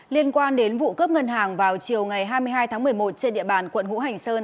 liên quan đến vụ cướp ngân hàng vào chiều ngày hai mươi hai tháng một mươi một trên địa bàn quận hữu hành sơn